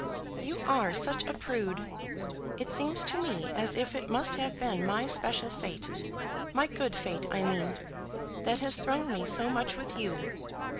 "You are such a prude! It seems to me as if it must have been my special fate, my good fate, I mean, that has thrown me so much with you.